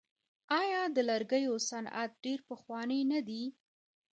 آیا د لرګیو صنعت ډیر پخوانی نه دی؟